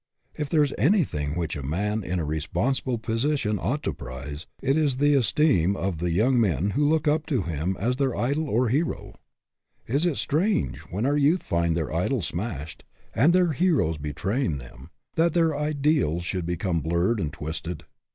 If there is anything which a man in a re sponsible position ought to prize, it is the es teem of the young men who look up to him as their idol or hero. Is it strange, when our youth find their idols smashed, and their heroes betraying them, that their ideals should 234 SUCCESS WITH A FLAW become blurred and twisted?